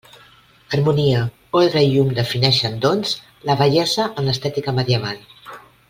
Harmonia, ordre i llum defineixen, doncs, la bellesa en l'estètica medieval.